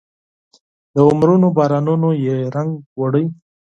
د عمرونو بارانونو یې رنګ وړی